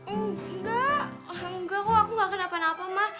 enggak enggak kok aku gak kena apa apa ma